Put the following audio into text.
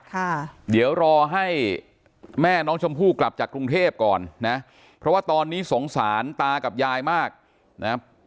ค่ะเดี๋ยวรอให้แม่น้องชมพู่กลับจากกรุงเทพก่อนนะเพราะว่าตอนนี้สงสารตากับยายมากนะ